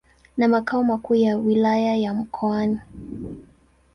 na makao makuu ya Wilaya ya Mkoani.